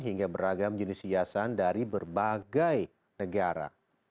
hingga beragam jenis hiasan dari berbagai negara